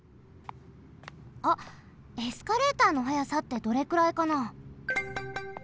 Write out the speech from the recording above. あっエスカレーターの速さってどれくらいかな？